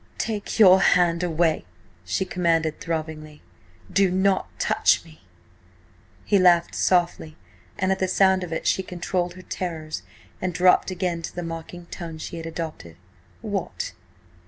"Take your hand away!" she commanded throbbingly. "Do not touch me!" He laughed softly and at the sound of it she controlled her terrors and dropped again to the mocking tone she had adopted. "What?